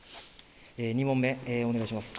二問目、お願いします。